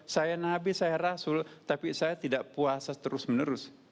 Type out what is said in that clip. saya nabi saya rasul tapi saya tidak puasa terus menerus